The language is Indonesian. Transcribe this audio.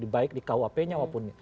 baik di kuhp nya walaupun